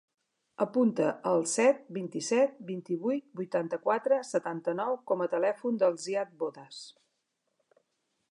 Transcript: Apunta el set, vint-i-set, vint-i-vuit, vuitanta-quatre, setanta-nou com a telèfon del Ziad Bodas.